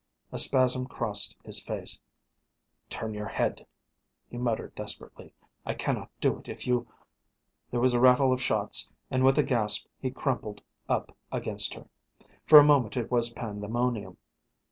A spasm crossed his face, "Turn your head," he muttered desperately. "I cannot do it if you " There was a rattle of shots, and with a gasp he crumpled up against her. For a moment it was pandemonium.